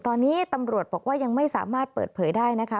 ตอนนี้ตำรวจบอกว่ายังไม่สามารถเปิดเผยได้นะคะ